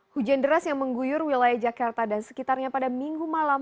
hujan deras yang mengguyur wilayah jakarta dan sekitarnya pada minggu malam